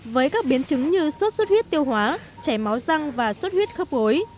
với các biến chứng như suốt suốt huyết tiêu hóa chảy máu răng và suốt huyết khớp gối